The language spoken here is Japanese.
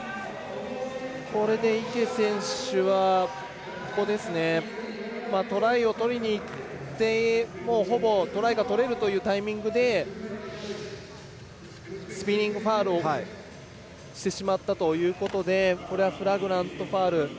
これで池選手はトライを取りにいってほぼトライが取れるというタイミングでスピニング・ファウルをしてしまったということでフラグラントファウル。